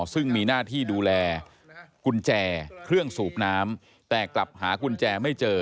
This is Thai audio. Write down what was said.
ซึ่งมีหน้าที่ดูแลกุญแจเครื่องสูบน้ำแต่กลับหากุญแจไม่เจอ